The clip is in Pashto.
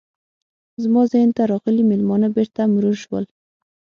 زما ذهن ته راغلي میلمانه بیرته مرور شول.